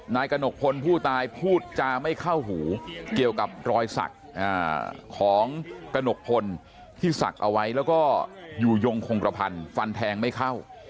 กระหนกพลผู้ตายพูดจาไม่เข้าหูเกี่ยวกับรอยสักของกระหนกพลที่ศักดิ์เอาไว้แล้วก็อยู่ยงคงกระพันธ์ฟันแทงไม่เข้า